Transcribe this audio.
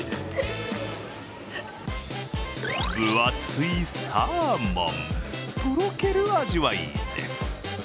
分厚いサーモン、とろける味わいです。